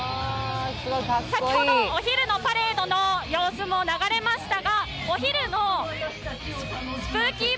先ほど、お昼のパレードの様子も流れましたがお昼のスプーキー“Ｂｏｏ！”